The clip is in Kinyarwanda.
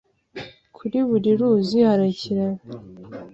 Kuri buri ruzi hari ikiraro.